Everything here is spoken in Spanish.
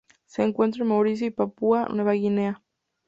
Se encuentra en Mauricio y Papúa Nueva Guinea.